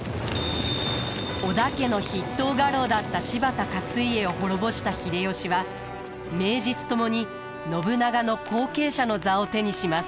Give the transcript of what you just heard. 織田家の筆頭家老だった柴田勝家を滅ぼした秀吉は名実ともに信長の後継者の座を手にします。